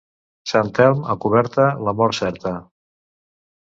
Sant Elm a coberta, la mort certa.